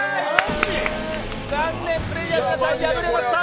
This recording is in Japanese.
残念、プレーヤーの皆さん敗れました。